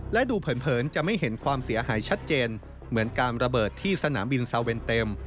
และดูเผินจะไม่เห็นความเสียหายชัดเจนเหมือนการระเบิดที่สนามบินซาเวนเต็ม